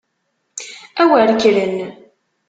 A wer kkren!